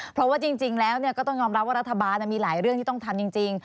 เพราะว่าจริงแล้วก็ต้องยอมรับว่ารัฐบาลมีหลายเรื่องที่ต้องทำจริง